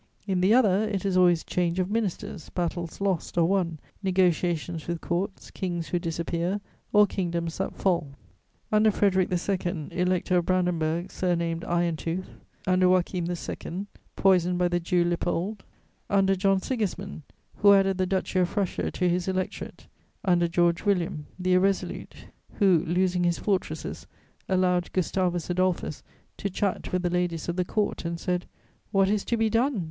In the other, it is always change of ministers, battles lost or won, negociations with Courts, kings who disappear, or kingdoms that fall. Under Frederic II. Elector of Brandenburg, surnamed "Iron tooth"; under Joachim II., poisoned by the Jew Lippold; under John Sigismund, who added the Duchy of Prussia to his Electorate; under George William, "the Irresolute," who, losing his fortresses, allowed Gustavus Adolphus to chat with the ladies of the Court and said, "What is to be done?